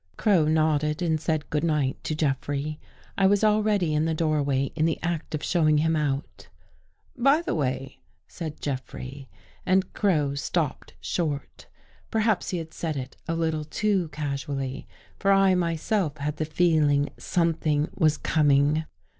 Crow nodded and said good night to Jeffrey. I was already in the doorway, in the act of showing him out. " By the way," said Jeffrey, and Crow stopped short. Perhaps he had said it a little too casually, for I myself had the feeling something was coming.